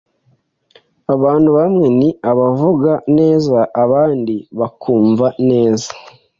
Abantu bamwe ni abavuga neza abandi bakumva neza.